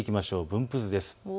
分布図です。